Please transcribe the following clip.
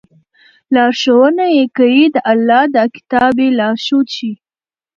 لارښوونه ئې كوي، د الله دا كتاب ئې لارښود شي